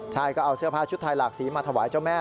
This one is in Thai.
ใช่ก็เอาเสื้อผ้าชุดไทยหลากสีมาถวายเจ้าแม่